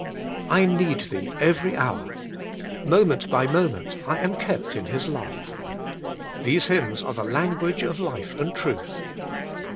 " I need Thee every hour/' "Moment by moment I am kept in His love.^' These hymns are the language of life and truth.